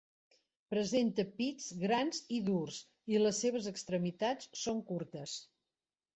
Presenta pits grans i durs i les seves extremitats són curtes.